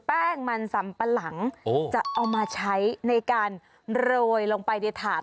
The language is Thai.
แป้งมันสำปะหลังจะเอามาใช้ในการโรยลงไปในถาด